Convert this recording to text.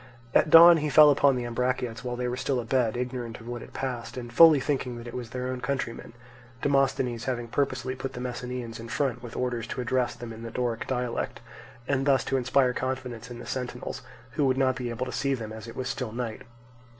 At dawn he fell upon the Ambraciots while they were still abed, ignorant of what had passed, and fully thinking that it was their own countrymen—Demosthenes having purposely put the Messenians in front with orders to address them in the Doric dialect, and thus to inspire confidence in the sentinels, who would not be able to see them as it was still night.